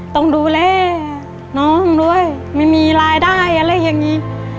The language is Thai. ต้องดูแลน้องด้วยไม่มีรายได้อะไรอย่างนี้